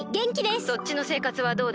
そっちのせいかつはどうだ？